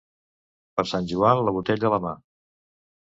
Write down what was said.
Per Sant Joan, la botella a la mà.